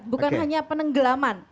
bukan hanya penenggelaman